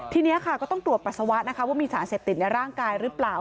ทีนี้ค่ะก็ต้องตรวจปัสสาวะนะคะว่ามีสารเสพติดในร่างกายหรือเปล่า